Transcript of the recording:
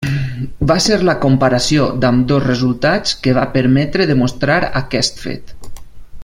Va ser la comparació d'ambdós resultats que va permetre demostrar aquest fet.